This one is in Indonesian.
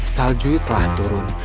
salju telah turun